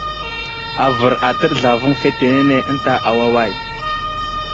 Avər atəɗ zlavaŋ fetenene ənta awaway.